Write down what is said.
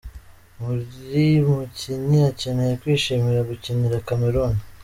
"Buri mukinyi akeneye kwishimira gukinira Cameroun.